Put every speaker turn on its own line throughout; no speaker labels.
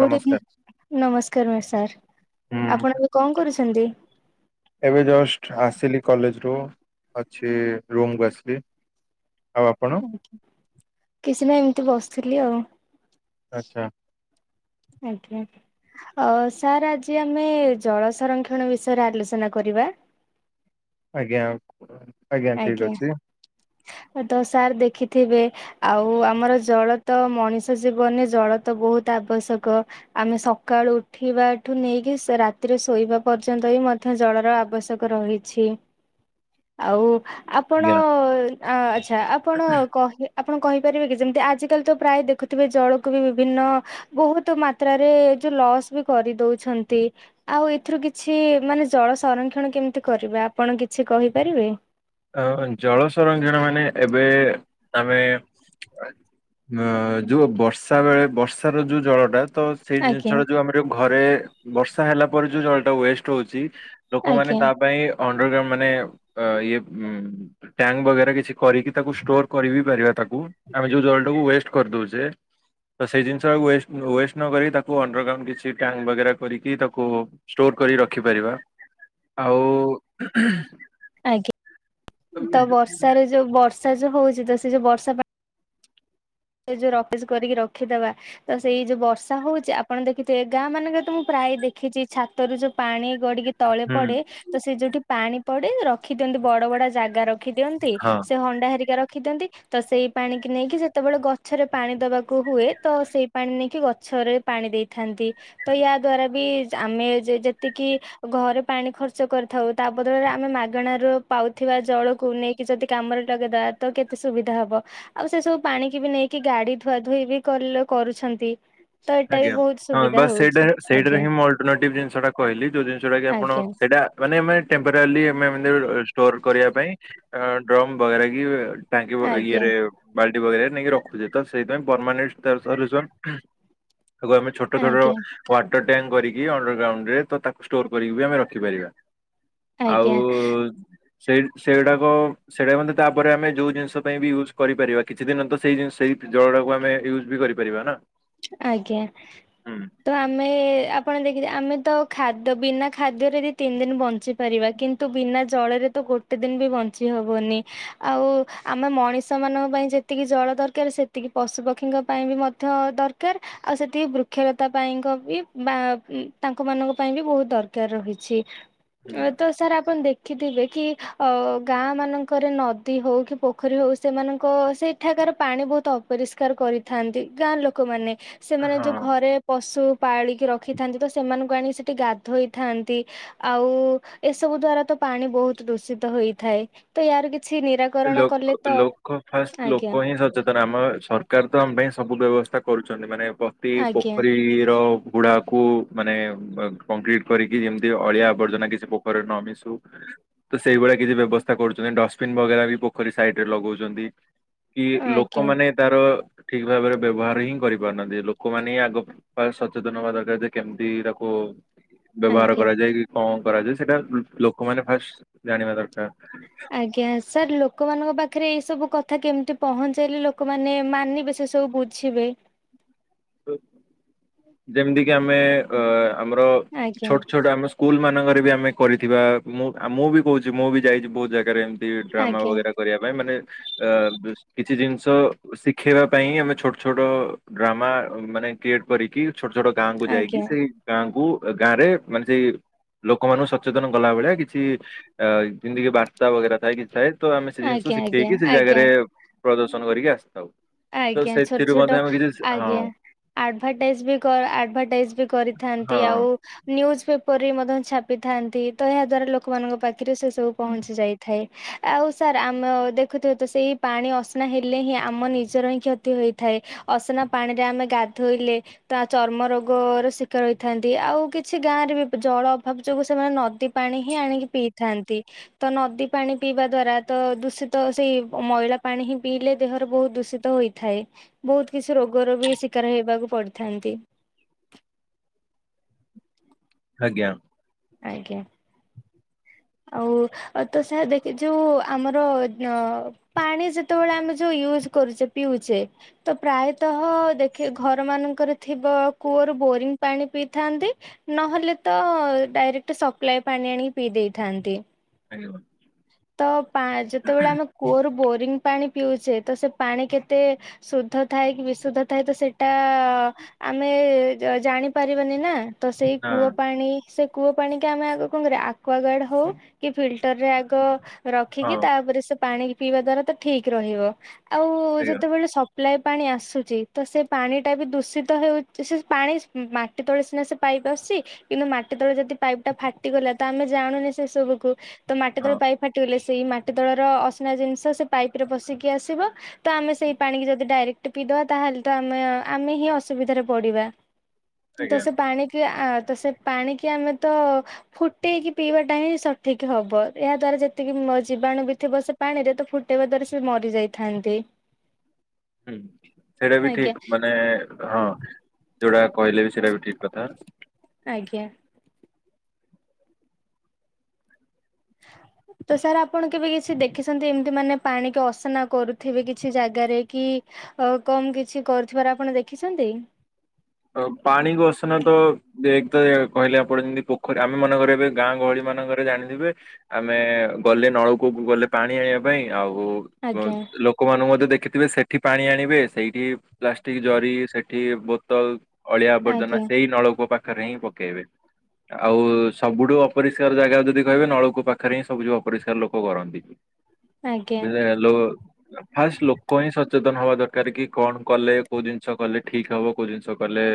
Good
ନମସ୍କାର
evening ନମସ୍କାର ମ ସାର୍।
ହୁଁ
ଆପଣ ଏବେ କଣ କରୁଛନ୍ତି?
ଏବେ ଜଷ୍ଟ ଆସିଲି କଲେଜ ରୁ ଅଛି ରୁମକୁ ଆସିଲି। ଆଉ ଆପଣ?
କିଛି ନାଇଁ ଏମିତି ବସିଥିଲି ଆଉ।
ଆଚ୍ଛା।
ଆଜ୍ଞା। ଅ ସାର୍ ଆଜି ଆମେ ଜଳ ସଂରକ୍ଷଣ ବିଷୟରେ ଆଲୋଚନା କରିବା।
ଆଜ୍ଞା ଆଜ୍ଞା ଠିକ୍ ଅଛି।
ତ ସାର୍ ଦେଖିଥିବେ ଆଉ ଆମର ଜଳ ତ ମଣିଷ ଜୀବନେ ଜଳ ତ ବହୁତ୍ ଆବଶ୍ୟକ। ଆମେ ସକାଳୁ ଉଠିବା ଠୁ ନେଇକି ସ ରାତିରେ ଶୋଇବା ପର୍ଯ୍ୟନ୍ତ ବି ମ ମଧ୍ୟ ଜଳର ଆବଶ୍ୟକ ରହିଛି ଆଉ ଆପଣ
ଆଜ୍ଞା
ଆ ଆଛା ଆପଣ କହେ ଆପଣ କହିପାରିବେ କି ଯେମିତି ଆଜିକାଲି ତ ପ୍ରାଏ ଦେଖୁଥିବେ ଜଳକୁ ବି ବିଭିନ୍ନ ବହୁତ୍ ମାତ୍ରାରେ ଏ ଯଉ ଲସ୍ ବି କରିଦଉଛନ୍ତି। ଆଉ ଏଥିରୁ କିଛି ମାନେ ଜଳ ସଂରକ୍ଷଣ କେମିତି କରିବେ ଆପଣ କିଛି କହିପାରିବେ?
ଅ ଜଳ ସଂରକ୍ଷଣ ମାନେ ଏବେ ଆମେ ଅ ଯୋଉ ବର୍ଷା ବେଳେ ବର୍ଷ ର ଯୋଉ ଜଳଟା। ତ ସେଇ
ଆଜ୍ଞା
ଜିନିଷଟା ଯଉ ଆମର ଘରେ ବର୍ଷା ହେଲା ପରେ ଯଉ ଜଳଟା ୱେଷ୍ଟ ହଉଚି ଲୋକମାନେ
ଆଜ୍ଞା
ତା ପାଇଁ ଅଣ୍ଡ୍ରଗ୍ରାଉଣ୍ଡ ମାନେ ଅ ଇଏ ହଁ ଟ୍ୟାଙ୍କ ବଗେରା କିଛି କରିକି ତାକୁ ଷ୍ଟୋର କରିବି ପାରିବା ତାକୁ ଆମେ ଯୋଉ ଜଳ ଟାକୁ ୱେଷ୍ଟ କରିଦଉଚେ ତ ସେଇ ଜିନିଷ ଟାକୁ ୱେଷ୍ଟ ୱେଷ୍ଟ ନକରିକି ତାକୁ ଅଣ୍ଡରଗ୍ରାଉଣ୍ଡ କିଛି ଟ୍ୟାଙ୍କ ବଗେରା କରିକି ତାକୁ ଷ୍ଟୋର କରିକି ରଖିପାରିବା ଆଉ
ଆଜ୍ଞା ତ ବର୍ଷାରେ ଯଉ ବର୍ଷା ଯଉ ହଉଚି ତ ସେ ଯଉ ବର୍ଷା ପା ଏ ଯଉ ରକେଜ କରିକି ରଖିଦବା ତ ସେଇ ଯୋଉ ବର୍ଷା ହଉଛି ଆପଣ ଦେଖିଥିବେ ଗାଁ ମାନଙ୍କରେ ତ ମୁଁ ପ୍ରାୟ ଦେଖିଛି ଛାତରୁ ଯୋଉ ପାଣି ଗଡିକି ତଳେ
ହୁଁ
ପଡେ ତ ସେ ଯଉଠି ପାଣି ପଡେ ରଖି ଦିଅନ୍ତି ବଡ ବଡ ଜାଗା ର ରଖି ଦିଅନ୍ତି
ହଁ
ସେ ହଣ୍ଡା ହରିକା ରଖି ଦିଅନ୍ତି ତ ସେଇ ପାଣି କି ନେଇକି ଯେତେବେଳେ ଗଛରେ ପାଣି ଦବାକୁ ହୁଏ ତ ସେଇ ପାଣି ନେଇକି ଗଛରେ ପାଣି ଦେଇଥାନ୍ତି। ତ ୟା ଦ୍ଵାରା ବି ଆମେ ଯେ ଯେତିକି ଘରେ ପାଣି ଖର୍ଚ୍ଚ କରିଥାଉ ତା ବଦଳରେ ଆମେ ମାଗଣାରୁ ପାଉଥିବା ଜଳକୁ ନେଇକି ଯଦି କାମରେ ଲଗେଇଦେବା ତ କେତେ ସୁବିଧା ହେବ। ଆଉ ସେ ସବୁ ପାଣିକି ବି ନେଇକି ଗାଡି ଧୁଆ ଧୁଇ ବି କଲ କରୁଛନ୍ତି। ତ ଏଟା ବି
ଆଜ୍ଞା
ବହୁତ ସୁବିଧା
ହଁବାସ୍ ସେଇଟା
ହଉଛି
ସେଇଟାରେ
ଆଜ୍ଞା
ହିଁ ମୁଁ ଅଲଟନେଟିବ ଜିନିଷ ଟା କହିଲି ଯଉ ଜିନିଷଟା କି ଆପଣ
ଆଜ୍ଞା
ସେଇଟା ମାନେ ଆମେ ଟେମ୍ପରାରଲି ଆମେ ଏମିତି ଷ୍ଟୋର କରିବା ପାଇଁ ଡ୍ରମ୍ ବଗେରା କି ଟାଙ୍କି ବ
ଆଜ୍ଞା
ଇଏରେ ବାଲ୍ଟି ବଗେରା ନେଇକି ରଖୁଛେ ତ ସେଇଥିପାଇଁ ପରମାନେଟ ଷ୍ଟର୍ସଲୟୁସନ ତାକୁ ଆମେ ଛୋଟ ଛୋଟ
ଆଜ୍ଞା।
ୱାଟର ଟ୍ୟାଙ୍କ କରିକି ଅଣ୍ଡର ଗ୍ରାଉଣ୍ଡରେ ତ ତାକୁ ଷ୍ଟୋର କରି ବି ଆମେ ରଖିପାରିବା।
ଆଜ୍ଞା
ଆଉ ସେ ସେଡାକ ସେଇଟା ମଧ୍ୟ ତାପରେ ଆମେ ଯୋଉ ଜିନିଷ ପାଇଁ ବି ୟୁଜ୍ କରିପାରିବା କିଛି ଦିନ ତ ସେଇ ଜିନି ସେଇ ଜଳଟାକୁ ଆମେ ୟୁଜ୍ ବି କରି କରିବା ନା।
ଆଜ୍ଞା
ହୁଁ
ତ ଆମେ ଆପଣ ଦେଖ ଆମେ ତ ଖାଦ ବିନା ଖାଦ୍ୟରେ ଦି ତିନି ଦିନି ବଞ୍ଚି ପାରିବା କିନ୍ତୁ ବିନା ଜଳରେ ତ ଗୋ ଟେ ଦିନ ବି ବଞ୍ଚି ହବନି ଆଉ ଆମେ ମଣିଷ ମାନଙ୍କ ପାଇଁ ଯେତିକି ଜଳ ଦରକାର ସେ ସେତିକି ପଶୁପକ୍ଷୀଙ୍କ ପାଇଁ ବି ମଧ୍ୟ ଦର କାର ଆଉ ସେତିକି ବୃକ୍ଷଲତା ପାଇଁଙ୍କ ବି ବା ତାଙ୍କ ମାନଙ୍କ ପାଇଁ ବି ବହୁତ ଦରକାର ରହିଛି।
ହୁଁ
ତ ସାର୍ ଆଣ ଦେଖ ଦେଖିଥିବେ କି ଅ ଗାଁ ମାନଙ୍କରେ ନଦୀ ହଉ କି ପୋଖରୀ ହଉ ସେମାନଙ୍କ ସେଇ ଏଠାକାର ପାଣି ବହୁତ ଅପରିଷ୍କାର କରିଥାନ୍ତି ଗାଁ ଲୋକମାନେ ସେମାନେ ଯଉ
ହଁ
ଘରେ ପଶୁ ପାଳିକି ରଖିଥାନ୍ତି ତ ସେମାନଙ୍କୁ ଆଣି ସେଠି ଗାଧୋଇଥାନ୍ତି। ଆଉ ଏସବୁ ଦ୍ଵାରା ତ ପାଣି ବହୁତ ଦୂଷିତ ହୋଇଥାଏ ତ ୟାର କିଛି ନିରା
ଲୋ ଲୋକ ଫାଷ୍ଟ ଲୋକ ହିଁ ସଚେ ତ ଆମ ସରକାର ତ ଆମ ପାଇଁ ସବୁ ବ୍ୟବସ୍ଥା କରୁଛନ୍ତି ମାନେ ପ୍ରତି
ଆଜ୍ଞା
ପୋଖରୀର ଗୁଡାକୁ ମାନେ କଂକ୍ରିଟ କରିକି ଯେମିତି ଅଳିଆ ଆବର୍ଜନା କିଛି ପୋଖରୀରେ ନ ମିଶୁ ତ ସେଇଭଳିଆ କିଛି ବ୍ୟବସ୍ଥା କରୁଛନ୍ତି ଡଷ୍ଟବିନ ବଗେରା ବି ପୋଖରୀ ସାଇଟରେ ଲଗଉଛନ୍ତି କି
ଆଜ୍ଞା
ଲୋକମାନେ ତାର ଠିକ ଭାବରେ ବ୍ୟବହାର ହିଁ କରିପାରୁନାହାଁନ୍ତି ଲୋକମାନେ ହିଁ ଆଗ ବା ସଚେତନ ହବା ଦରକାର ଯେ କେମିତି ତାକୁ ବ୍ୟବହାର
ଆଜ୍ଞା।
କରାଯାଏ କି କଣ କରାଯାଏ ସେଇଟା ଲୋକମାନେ ଫାଷ୍ଟ ଜାଣିବା ଦରକାର।
ଆଜ୍ଞା ସାର୍ ଲୋକମାନଙ୍କ ପାଖରେ ଏସବୁ କଥା କେମିତି ପହଞ୍ଚାଇଲେ ଲୋକମାନେ ମାନିବେ ସେସବୁ ବୁ ଛିବେ।
ଯେମିତି କି ଆମେ ଅ ଆମର
ଆଜ୍ଞା।
ଛୋଟ ଛୋଟ ଆମ ସ୍କୁଲ ମାନଙ୍କରେ ବି ଆମେ କରିଥିବା ମୁଁ ମୁଁ ବି କହୁଛି ମୁଁ ବି ଯାଇଛି ବହୁତ ଜାଗାରେ ଏମ ତି ଡ୍ରାମା
ଆଜ୍ଞା
ବଗେରା କରିବା ପାଇଁ ମାନେ ଅ କିଛି ଜିନିଷ ଶିଖେଇବା ପାଇଁ ଆମେ ଛୋଟ ଛୋଟ ଡ୍ରାମା ମାନେ କ୍ରିଏଟ କରିକି ଛୋଟ ଛୋଟ ଗାଁକୁୁ
ଆଜ୍ଞା
ଯାଇକି ସେଇ ଗାଁକୁ ଗାଁ ରେ ମାନେ ସେଇ ଲୋକମାନଙ୍କୁ ସଚେତନ କଲା ଭଳିଆ କିଛି ଅ ଜିନ୍ତିକି ବା ରାସ୍ତା ବଗେରା ଥାଏ କିଛି ଥାଏ ତ ଆମେ ସେ ଜିନିଷ
ଆଜ୍ଞା ଆଜ୍ଞା
ଶିଖେଇକି ସେ
ଆଜ୍ଞା
ଜାଗାରେ ପ୍ରଦର୍ଶନ କରିକି ଆସିଥାଉ। ତ
ଆଜ୍ଞା
ସେଥିରୁ ମଧ୍ୟ ଆମେ କିଛି ହଁ
ଆଡଭଟାଇଜ ବି ଆଡଭଟାଇଜ ବି କରିଥାନ୍ତି
ହଁ
ଆଉ ନ୍ୟୁଜ୍ ପେପର ମଧ୍ୟ ଛାପିଥାନ୍ତି ତ ଏହା ଦଵାରା ଲୋକମାନଙ୍କ ପାଖରେ ସେ ସବୁ ପହଞ୍ଚି ଯାଇଥାଏ ଆଉ ସାର୍ ଆମ ଦେଖୁଥିବ ତ ସେଇ ପାଣି ଅସନା ହେଲେ ହିଁ ଆମ ନିଜ ଉଚର ହିଁ କ୍ଷତି ହୋଇଥାଏ ଅସନା ପାଣିରେ ଆମେ ଗାଧୋଇଲେ ତା ଚର୍ମ ରୋଗ ର ଶିକାର ହୋଇଥାନ୍ତି ଆଉ କିଛି ଗାଁ ରେ ବି ଜଳ ଅଭାବ ଯୋଗୁ ସେମାନେ ନଦୀ ପାଣି ହିଁ ଆଣିକି ପିଇଥାନ୍ତି ତ ନଦୀ ପାଣି ପିଇବା ଦ୍ଵାରା ତ ଦୂଷିତ ସେଇ ମଇଳା ପାଣି ହିଁ ପିଇଲେ ଦେହର ବହୁତ ଦୂଷିତ ହୋଇଥାଏ ବହୁତ କିଛି ରୋଗର ବି ଶିକାର ହେବାକୁ ପଡିଥାନ୍ତି
ଆଜ୍ଞା
ଆଜ୍ଞା ଆଉ ତ ସେ ଦେଖ ଯୋଉ ଆମର ପାଣି ଯେତେବେଳେ ଆମେ ଯୋଉ ୟୁଜ କରୁଛେ ପିଉଛେ ତ ପ୍ରାୟତଃ ଦେଖି ଘର ମାନଙ୍କରେ ଥଥିବା କୂଅରୁ ବୋରିଂ ପାଣି ପିଇଥାନ୍ତି ନହେଲେ ତ ଡାଇରେକ୍ଟ ସପ୍ଲାଏ ପାଣି ଆଣି ପିଇ ଦେଇଥାନ୍ତି
ଆଜ
ତ ପା ଯେତେବେଳେ ଆମେ କୂଅରୁ ବୋରିଂ ପାଣି ପିଉଛେ ତ ସେ ପାଣି କେତେ ଶୁଦ୍ଧ ଥାଏ କି ବିଶୁଦ୍ଧ ଥାଏ ତ ସେଇଟା ଆମେ ଜାଣିପାରିବାନି ନା ତ ସେଇ
ନା
କୂଅ ପାଣି ସେ କୂଅ ପାଣିିକ ଆମେ ଆଗ କଣ କରିବା ଆକ୍ୱ ଗାର୍ଡ ହଉ କି ଫିଲଟର ରେ ଆଗ
ହଁ
ରଖିକି ତାପରେ ସେ ପାଣି ପିଇବା ଦ୍ଵାରା ତ ଠିକ ରହିବ ଆଉ
ଆଜ୍ଞା
ଯେତେବେଳେ ସପ୍ଲାଇ ପାଣି ଆସୁଛି ତ ସେ ପାଣିଟା ବି ଦୂଷିତ ହେଉଛି ସେ ପାଣି କେତେବେଳେ ସିନା ସେ ପାଇପ ଆସଛି କିନ୍ତୁ ମାଟି ତଳେ ଯଦି ପାଇପ୍ ଟା ଫାଟିଗଲା ତ ଆମେ ଜାଣୁନି ସେ ସବୁକୁ ତ ମାଟି
ହଁ
ତଳ ପାଇପ୍ ଫାଟିଗଲେ ସେଇ ମାଟି ଦୋଳର ଅସିିନା ଜିନିଷ ସେ ପାଇପ ରେ ବସିକି ଆସିବ ତ ଆମେ ସେଇ ପାଣିିକି ଯଦି ଡାଇରେକ୍ଟ ପିଇଦବା ତାହେଲେ ତ ଆମେ ଆମେ ହିଁ ଅସୁବିଧାରେ ପଡ଼ିବା ତ
ଆଜ୍ଞା
ସେ ପାଣିିକି ତ ସେ ପାଣିକି ଆମେ ତ ଫୁଟେଇକି ପିଇବା ଟା ହିଁ ସଠିକ୍ ହବ ଏହା ଦ୍ଵାରା ଯେ ସେତିକି ଜୀବାଣୁ ବି ବ ସେ ପାଣି ରେ ତ ଫୁଟେଇବା ଦ୍ଵାରା ସେ ମରି ଯାଇଥାନ୍ତି
ହୁଁ ସେଇଟା ବି
ଆଜ୍ଞା
ଠିକ ମାନେ ହଁ ଯୋଉଟା କହିଲେ ବି ସେଇଟା ବି ଠିକ କଥା
ଆଜ୍ଞା ହ ତ ସାର୍ ଆପଣ କେବେ କିଛି ଦେଖିଛନ୍ତି ଏମିତି ମାନେ ପାଣିକ ଅସନା କରୁଥିବେ କିଛି ଜାଗାରେ କି ଅ କମ କିଛି କରୁଥିବାର ଆପଣ ଦେଖିଛନ୍ତି
ପାଣିକୁ ଅସନ ତ କହିଲେ ଆପଣ ଯେମିତି ପୋଖରୀ ଆମେ ମନେକବେ ଗାଁ ଗହଳି ମାନଙ୍କରେ ଜାଣିଥିବେ ଆମେ ଗଲେ ନଳକୂଅକୁ ଗଲେ ପାଣି ଆଣିବା ପାଇଁ ଆଉ ବ
ଆଜ୍ଞା
ଲୋକ ଲୋକମାନଙ୍କୁ ମଧ୍ୟ ଦେଖିଥିବେ ସେଇଠି ପାଣି ଆଣିବେ ସେଇଠି ପ୍ଲାଷ୍ଟିକ୍ ଜରି ସେଠି ବୋତଲ ଅଳିଆ ଆବର୍ଜନା
ଆଜ୍ଞା
ସେଇ ନଳକୂ ପାଖରେ ହିଁ ପକେଇବେ ଆଉ ସବୁଠୁ ଅପରିଷ୍କାର ଜାଗା ଯଦି କହିବେ ନଳକୂ ପାଖରେ ହିଁ ସବୁଠୁ ଅପରିଷ୍କାର ଲୋକ କରନ୍ତି
ଆଜ୍ଞା।
ଆମଲୋ ଫାଷ୍ଟ ଲୋକ ହିଁ ସଚେତନ ହବା ଦରକାର କି କଣ କଲେ କୋଉ ଜିନିଷ କଲେ ଠିକ ହବ କୋଉ ଜିନିଷ କଲେ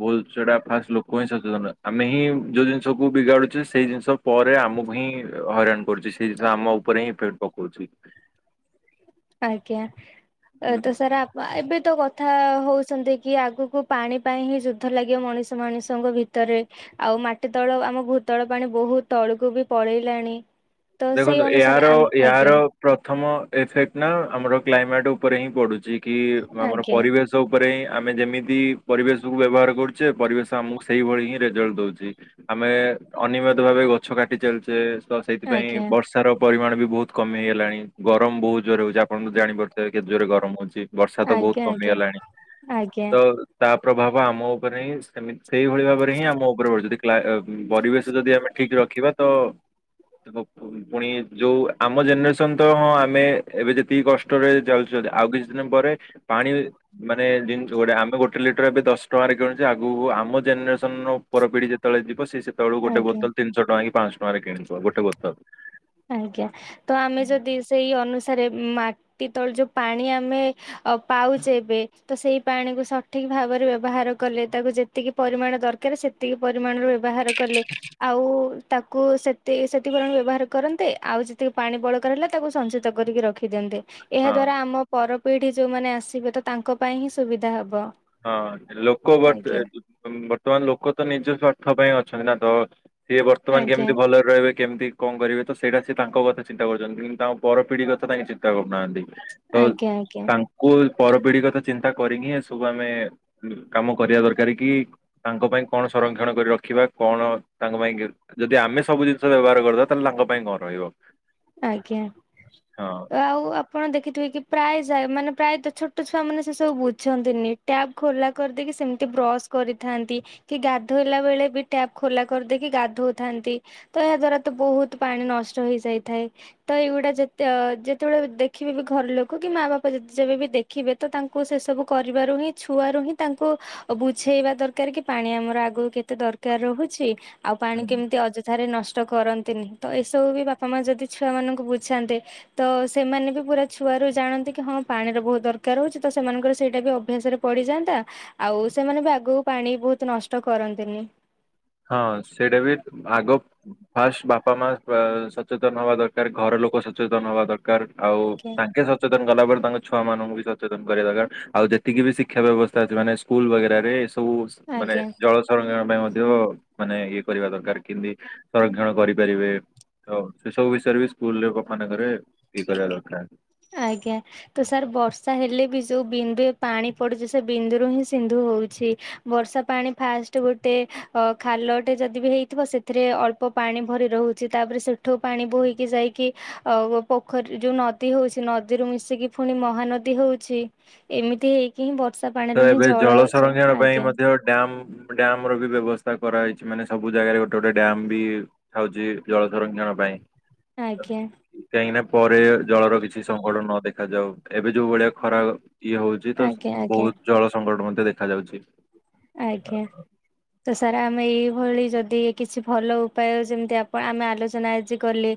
ଭହୁଲ ସେଇଟା ଫା ଲୋକ ହିଁ ସଚେତନ ଆମେ ହିଁ ଯୋଉ ଜିନିଷକୁ ବିଗାଡୁଛେ ସେଇ ଜିନିଷ ପରେ ଆମକୁ ହିଁ ହଇରାଣ କରୁଛି ସେ ଆମ ଉପରେ ହିଁଫେକ୍ଟ ପକଉଛି
ଆଜ୍ଞା
ହୁଁ।
ତ ସାର୍ ଆ ବା ଏବେ ତ କଥା ହେଉଛନ୍ତି କି ଆଗକୁ ପାଣି ପାଇଁ ହିଁ ଯୁଦ୍ଧ ଲାଗିବ ମଣିଷ ମଣିଷଙ୍କ ଭିତରେ। ଆଉ ମାଟି ତଳ ଆମ ଭୂତଳ ପାଣି ବହୁତ ତଳକୁ ବି ପଳେଇଲାଣି। ତ ସେଇ
ଦେଖନ୍ତୁ
ଅନୁସାରେ
ଏହାର
ଆମ
ଏହାର
ଆଜ୍ଞା
ପ୍ରଥମ ଏଫେକ୍ଟ ନା ଆମର କ୍ଲାଇମେଟ ଉପରେ ହିଁ ପଡୁଛି କି ଆମର
ଆଜ୍ଞା
ପରିବେଶ ଉପରେ ଆମେ ଯେମିତି ପରିବେଶକୁ ବ୍ୟବହାର କରୁଛେ ପରିବେଶ ଆମକୁ ସେଇଭଳି ହିଁ ରେଜଲ୍ଟ ଦଉଛି। ଆମେ ଅନିୟମିତ ଭାବେ ଗଛ କାଟି ଚାଲିଛେ ତ ସେଇଥିପାଇଁ
ଆଜ୍ଞା
ବର୍ଷ ସାର ର ପରିମାଣ ବି ବହୁତ କମି ଗଲାଣି ଗରମ ବହୁତ ଜୋରରେ ହଉଛି ଆପଣ ତ ଜାଣିପାରୁଥିବେ କେତେ ଜୋରେ ଗରମ ହଉଛି। ବର୍ଷା ତ ବହୁତ
ଆଜ୍ଞା ଆଜ୍ଞା
କମିଗଲାଣି
ଆଜ୍ଞା
ତ ତା ପ୍ରଭାବ ଆମ ଉପରେ ସେଇଭଳି ଭାବରେ ହିଁ ଆମ ଉପରେ ହୁଏ ଯଦି ପରିବେଶ ଯଦି ଆମେ ଠିକ ରଖିବା ତ [inaudible] ପୁଣି ଯୋଉ ଆମ ଜେନେରେସନ ତ ହଁ ଆମେ ଏବେ ଯେତିକି କଷ୍ଟରେ ଯାଉଛନ୍ତି ଆଉ କିଛି ଦିନ ପରେ ପାଣି ମାନେ ଜିନିଷ ଗୋଟେ ଆମେ ଗୋଟେ ଲିଟର ଏବେ ଦଶ ଟଙ୍କାରେ କିଣୁଛେ ଆଗକୁ ଆମ ଜେନେରେସନର ଉପର ପିଢି ଯେ ଯେତେବେଳେ ଯିବ ସିଏ ସେତବେଳୁ ଗୋଟେ
ଆଜ୍ଞା।
ବୋତଲ ତିିନିଶହ ଟଙ୍କା କି ପାଁଶହ ଟଙ୍କାରେ କିଣିଥିବ ଗୋଟେ ବୋତଲ।
ଆଜ୍ଞା ତ ଆମେ ଯଦି ସେଇ ଅନୁସାରେ ମାଟି ତଳ ଯୋଉ ପାଣି ଆମେ ଅ ପାଉଛେ ଏବେ ତ ସେଇ ପାଣିକୁୁ ସଠିକ୍ ଭାବରେ ବ୍ୟବହାର କଲେ ତାକୁ ଯେ ଯେତିକି ପରିମାଣ ଦରକାର ସେତିକି ପରିମାଣ ବ୍ୟବହାର କଲେ ଆଉ ତାକୁ ସେତି ସେତିକି ପରିମାଣ ବ୍ୟବହାର କରନ୍ତେ ଆଉ ଯେତିକି ପାଣି ବଳକା ରହିଲା ତାକୁ ସଞ୍ଚିତ କରିକି ରଖିଦିଅନ୍ତେ ଏହା
ହଁ
ଦ୍ଵାରା ଆମ ପରପିଢି ଯୋଉମାନେ ଆସିବେ ତ ତାଙ୍କ ପାଇଁ ହିଁ ସୁବିଧା ହବ।
ହଁ ଲୋକ
ଆଜ୍ଞା
ବର୍ତ୍ତ ବର୍ତ୍ତମାନ ଲୋକ ତ ନିଜ ସ୍ୱାର୍ଥ ପାଇଁ ଅଛନ୍ତି ନା ତ ସିଏ ବର୍ତ୍ତମାନ
ଆଜ୍ଞା
କେମିତି ଭଲ ରହିବେ କେମିତି କଣ କରିବେ ତ ସେଇଟା ସେ ତାଙ୍କ କଥା ଚିନ୍ତା କରୁଛନ୍ତି କିନ୍ତ ତାଙ୍କ ପର ପିଢି କଥା କାଇଁ ଚିନ୍ତା କରୁନାହାନ୍ତି। ତ
ଆଜ୍ଞା ଆଜ୍ଞା
ତାଙ୍କୁ ପରପିଢି କଥା ଚିନ୍ତା କରିକି ହିଁ ସବୁ ଆମେ କାମ କରିବା ଦରକାର କି ତାଙ୍କ ପାଇଁ କଣ ସଂରକ୍ଷଣ କରି ରଖିବା କଣ ତାଙ୍କ ପାଇଁ କି ଯଦି ଆମେ ସବୁ ଜିନିଷ ବ୍ୟବହାର କରିଦବା ତାହେଲେ ତାଙ୍କ ପାଇଁ କଣ ରହିବ।
ଆଜ୍ଞା ତ ଆଉ ଆପ ଆପଣ ଦେଖିଥିବେ କି ପ୍ରାୟ ଯା ମାନେ ପ୍ରାୟତ ଛୋଟ ଛୁଆ ମାନେ ସେ ସବୁ ବୁଝନ୍ତିନି ଟ୍ୟାପ୍ ଖୋଲା କରିଦେଇକି ସେମିତି ବ୍ରସ୍ କରିଥାନ୍ତି। କି ଗାଧୋଇଲା ବେଳେ ବି ଟ୍ୟାପ୍ ଖୋଲା କରିଦେଇକି ଗାଧୋଉଥାନ୍ତି। ତ ଏହା ଦ୍ଵାରା ତ ବହୁତ ପାଣି ନଷ୍ଟ ହେଇଯାଇଥାଏ। ତ ଏଇଗୁଡା ଯେତେ ଯେତେବେଳେ ଦେଖିବେ ବି ଘର ଲୋକ କି ମା ବାପା ଯେତେ ଯେବେ ବି ଦେ ଖିବେ ତ ତାଙ୍କୁ ସେସବୁ କରିବାରୁ ହିଁ ଛୁଆରୁ ହିଁ ତାଙ୍କୁ ଆଉ ବୁଝେଇବା ଦରକାର କି ପାଣି ଆମର ଆଗକୁ କେତେ ଦରକାର ରହୁଛି। ଆଉ ପାଣି
ହଁ
କେମିତି ଅଯଥାରେ ନଷ୍ଟ କରନ୍ତିନି ତ ଏସବୁ ବି ବାପା ମା ଯଦି ଛୁଆ ମାନଙ୍କୁ ବୁଝାନ୍ତେ। ତ ସେମାନେ ବି ପୁରା ଛୁଆ ରୁ ଜାଣନ୍ତି କି ହଁ ପାଣିର ବହୁତ ଦରକାର ହଉଛି ତ ସେମାନଙ୍କର ସେଇଟା ବି ଅଭ୍ୟାସରେ ପଡିଯାଆନ୍ତା ଆଉ ସେମାନେ ବି ଆଗକୁ ପାଣି ବହୁତ ନଷ୍ଟ କରନ୍ତିନି।
ହଁ ସେଇଟା ବି ଆଗ ଫାଷ୍ଟ ବାପା ମା ସଚେତନ ହବା ଦରକାର ଘର ଲୋକ ସଚେତନ ହବା ଦର ଦରକାର ଆଉ ତାଙ୍କେ ସଚେତନ କଲା ପରେ ତାଙ୍କ ଛୁଆମାନଙ୍କୁ ବି ସଚେତନ କରିବା ଦରକାର। ଆଉ ଯେତିକି ବି ଶିକ୍ଷା ବ୍ୟବସ୍ଥା ଅଛି ମାନେ ସ୍କୁଲ ବଗେରାରେ ଏ ସବୁ ମାନେ
ଆଜ୍ଞା।
ଜଳ ସଂରକ୍ଷଣ ପାଇଁ ମଧ୍ୟ ମାନେ ଇଏ କରିବା ଦରକାର କେମିତି ସଂରକ୍ଷଣ କରିପାରିବେ। ତ ସେ ସବୁ ବିଷୟରେ ବି ସ୍କୁଲ ରେ ମାନଙ୍କରେ ଇଏ କରିବା ଦରକାର।
ଆଜ୍ଞା। ତ ସାର୍ ବର୍ଷା ହେଲେ ବି ଯୋଉ ବିନ୍ଦୁଏ ପାଣି ପଡୁଛି ସେ ବିନ୍ଦୁରୁ ହିଁ ସିନ୍ଧୁ ହଉଛି। ବର୍ଷା ପାଣି ଫାଷ୍ଟ ଗୋଟେ ଅ ଖାଲଟେ ଯଦି ବି ହେଇଥିବ ସେଥିରେ ଅଳ୍ପ ପାଣି ଭରି ରହୁଛି ତାପରେ ସେଠୁ ପାଣି ବୋହିକି ଯାଇକି ପୋଖରୀ ଯୋଉ ନ ଦୀ ହଉଛି ନଦୀରୁ ମିଶିକି ପୁଣି ମହାନଦୀ ହଉଛି ଏମିତି ହେଇକି ହିଁ ବର୍ଷା ପାଣିରୁ ହିଁ ଜଳଜ ଆଜ୍ଞା।
ଡ୍ୟାମ୍ ଡ୍ୟାମ୍ ର ବି ବ୍ୟବସ୍ଥା କରାଯାଇଛି ମାନେ ସବୁ ଜାଗାରେ ଗୋଟେ ଗୋଟେ ଡ୍ୟାମ୍ ବି ଥାଉଛି ଜଳ ସଂରକ୍ଷଣ ପାଇଁ।
ଆଜ୍ଞା।
କାହିଁକି ନା ପରେ ଜଳର କିଛି ସଙ୍କଟ ନ ଦେଖାଯାଉ ଏବେ ଯୋଉ ଭଳିଆ ଖରା ଇଏ ହୋଉଚି। ତ
ଆଜ୍ଞା ଆଜ୍ଞା
ବୋହୁତ ଜଳ ସଙ୍କଟ ମଧ୍ୟ ଦେଖାଯାଉଚି।
ଆଜ୍ଞା। ତ ସାର୍ ଆମେ ଏଇଭଳି ଯଦି କିଛି ଭଲ ଉପାୟ ଯେମିତି ଆପଣ ଆମେ ଆଲୋଚନା ଆଜି କଲେ।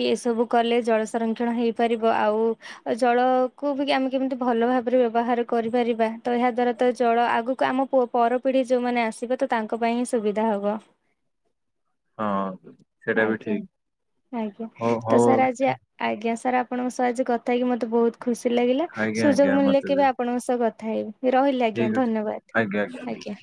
କି ଏସବୁ କଲେ ଜଳ ସଂରକ୍ଷଣ ହେଇପାରିବ, ଆଉ ଜଳକୁ ବି ଆମେ କେମିତି ଭଲ ଭାବରେ ବ୍ୟବହାର କରିପାରିବା ତ ଏହା ଦ୍ଵାରା ତ ଜଳ ଆଗକୁ ଆମ କୁ ପର ପିଢ଼ି ଯୋଉମାନେ ଆସିବ ତ ତାଙ୍କ ପାଇଁ ହିଁ ସୁବିଧା ହବ।
ହଁ ସେଇଟା ବି
ଆଜ୍ଞା
ଠିକ,
ଆଜ୍ଞା
ହଁ
ତ ସାର୍ ଆଜି
ହୋଉ।
ଆଜ୍ଞା ସାର୍ ଆପଣଙ୍କ ସହ ଆଜି କଥା ହେଇକି ମତେ ବୋହୁତ ଖୁସି ଲାଗିଲା
ଆଜ୍ଞା ଆଜ୍ଞା
ସୁଯୋଗ ମିଳିଲେ
ମତେ ବି
କେବେ ଆପଣଙ୍କ ସହ କଥା ଥାଏ ରହିଲି ଆଜ୍ଞା
ଠିକ ଅଛି
ଧନ୍ୟବାଦ ଆଜ୍ଞା।